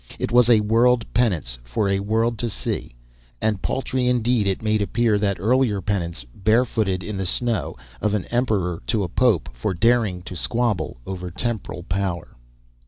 It was a world penance for a world to see, and paltry indeed it made appear that earlier penance, barefooted in the snow, of an emperor to a pope for daring to squabble over temporal power.